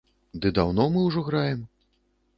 Ды даўно мы ўжо граем.